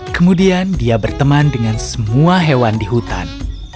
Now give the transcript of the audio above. kemudian dia berteman dengan semua hewan di hutan